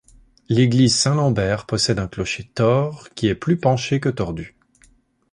L'église Saint-Lambert possède un clocher tors, qui est plus penché que tordu.